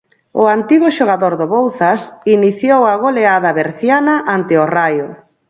O antigo xogador do Bouzas iniciou a goleada berciana ante o Raio.